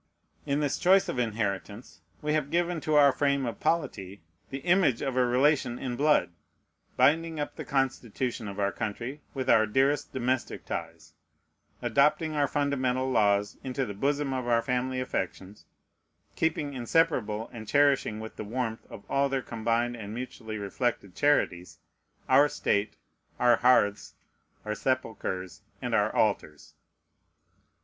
In this choice of inheritance we have given to our frame of polity the image of a relation in blood: binding up the Constitution of our country with our dearest domestic ties; adopting our fundamental laws into the bosom of our family affections; keeping inseparable, and cherishing with the warmth of all their combined and mutually reflected charities, our state, our hearths, our sepulchres, and our altars.